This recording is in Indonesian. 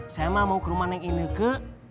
saya mah mau ke rumah yang ini ke